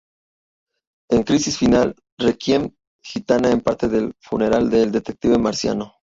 En Crisis Final: Requiem, Gitana es parte del funeral de el Detective Marciano.